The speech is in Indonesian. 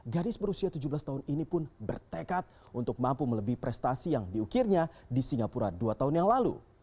gadis berusia tujuh belas tahun ini pun bertekad untuk mampu melebih prestasi yang diukirnya di singapura dua tahun yang lalu